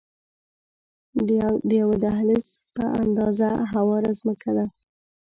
د یوه دهلیز په اندازه هواره ځمکه ده.